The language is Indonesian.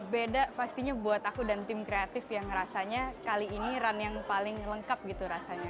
beda pastinya buat aku dan tim kreatif yang rasanya kali ini run yang paling lengkap gitu rasanya